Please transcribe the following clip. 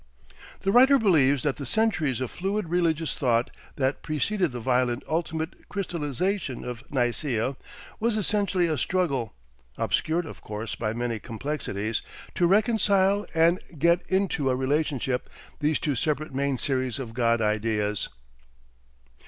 The writer believes that the centuries of fluid religious thought that preceded the violent ultimate crystallisation of Nicaea, was essentially a struggle obscured, of course, by many complexities to reconcile and get into a relationship these two separate main series of God ideas.